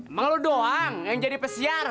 emang lo doang yang jadi pesiar